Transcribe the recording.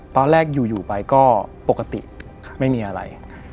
ตอนแรกอยู่ไปก็ปกติไม่มีอะไร